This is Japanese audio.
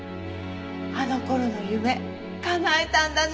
あの頃の夢叶えたんだね。